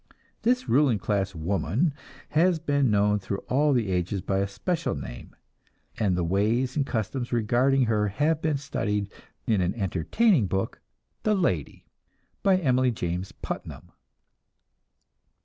This ruling class woman has been known through all the ages by a special name, and the ways and customs regarding her have been studied in an entertaining book, "The Lady," by Emily James Putnam.